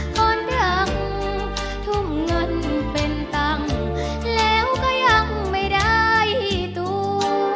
คนดังทุ่มเงินเป็นตังค์แล้วก็ยังไม่ได้ตัว